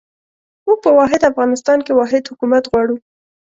موږ په واحد افغانستان کې واحد حکومت غواړو.